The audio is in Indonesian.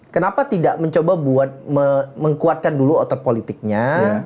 kenapa tidak mencoba buat mengkuatkan dulu otot politiknya